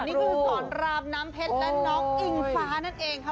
นี่ก็คือสอนรามน้ำเพชรและน้องอิงฟ้านั่นเองค่ะ